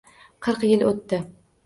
Qirq yil o’tdi